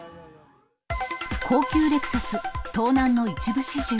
高級レクサス、盗難の一部始終。